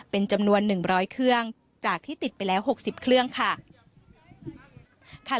เป็นจำนวน๑๐๐เครื่องจากที่ติดไปแล้ว๖๐เครื่องค่ะ